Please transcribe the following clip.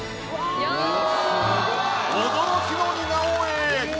驚きの似顔絵！